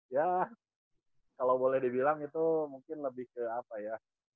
ya kalau boleh dibilang itu mungkin lebih ke apa ya